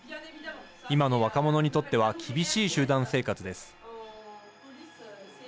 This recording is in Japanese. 今の若者にとっては厳しい集団生活です。